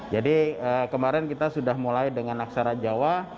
jadi kemarin kita sudah mulai dengan aksara jawa